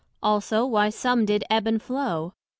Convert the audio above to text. also, why some did ebb and flow?